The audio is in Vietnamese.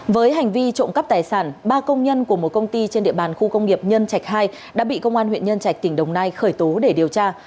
với hành vi trộm cắp tài sản ba công nhân của một công ty trên địa bàn khu công nghiệp nhân trạch hai đã bị công an huyện nhân trạch tỉnh đồng nai khởi tố để điều tra